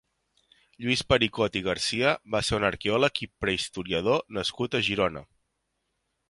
Lluís Pericot i Garcia va ser un arqueòleg i prehistoriador nascut a Girona.